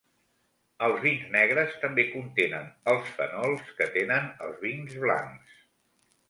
Els vins negres també contenen els fenols que tenen els vins blancs.